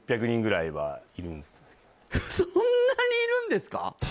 そんなにいるんですか！？